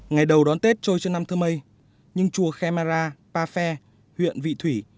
ngày đầu đón tết trôn trân nam thơ mây những chùa khemara pa phe huyện vị thủy